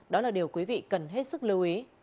đó là điều quý vị cần hết sức lưu ý